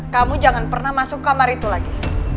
kamu jangan pernah masuk kamar itu lagi